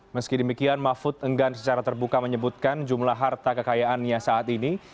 meski demikian mahfud enggan secara terbuka menyebutkan jumlah harta kekayaannya saat ini